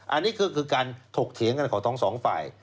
อันนี้คือการถกเถียงกันของทั้งสองฝ่าย